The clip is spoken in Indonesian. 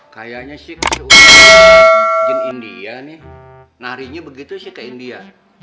kayaknya sih jen india nih narinya begitu sih ke india